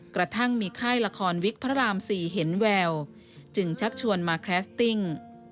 กระทั่งมีค่ายละครวิกพระราม๔เห็นแววจึงชักชวนมาแคลสติ้ง